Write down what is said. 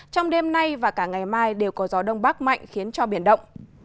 trong đêm nay và cả ngày mai đều có gió đông bắc mạnh khiến cho biển động